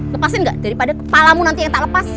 lepasin nggak daripada kepalamu nanti yang tak lepas